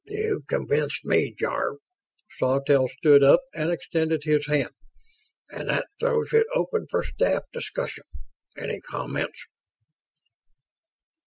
"You've convinced me, Jarve." Sawtelle stood up and extended his hand. "And that throws it open for staff discussion. Any comments?"